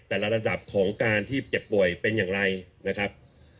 ระดับของการที่เจ็บป่วยเป็นอย่างไรนะครับ